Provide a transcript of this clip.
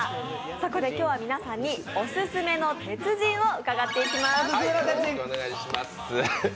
そこで今日は皆さんにオススメの鉄人を伺っていきます。